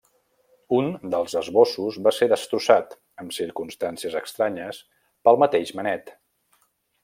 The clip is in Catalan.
Un dels esbossos va ser destrossat -en circumstàncies estranyes- pel mateix Manet.